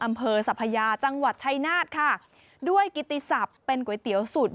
อำเภอสัพยาจังหวัดชัยนาธค่ะด้วยกิติศัพท์เป็นก๋วยเตี๋ยวสุด